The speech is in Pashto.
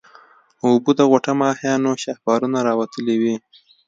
اوبه د غوټه ماهيانو شاهپرونه راوتلي وو.